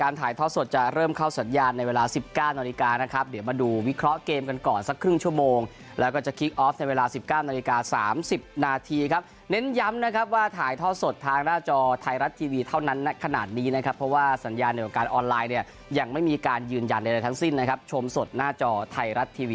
รายงานจากกรุงจักราต้าประเทศอินโดรีเซีย